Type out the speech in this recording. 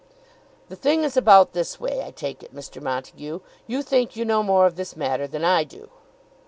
"The thing is about this way, I take it, Mr. Montague; you think you know more of this matter than I do."